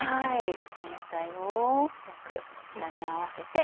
全体をよく絡め合わせて。